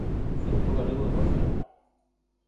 Centro Galego de Barcelona.